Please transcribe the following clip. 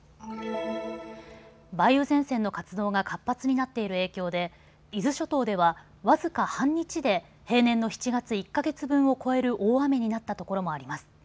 梅雨前線の活動が活発になっている影響で伊豆諸島では僅か半日で平年の７月１か月分を超える大雨になったところもあります。